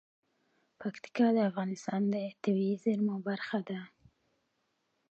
پکتیکا د افغانستان د طبیعي زیرمو برخه ده.